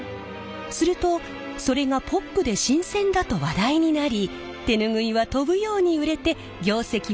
するとそれがポップで新鮮だと話題になり手ぬぐいは飛ぶように売れて業績も右肩上がり！